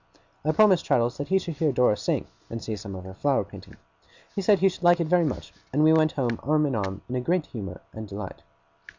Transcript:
I promised Traddles that he should hear Dora sing, and see some of her flower painting. He said he should like it very much, and we went home arm in arm in great good humour and delight.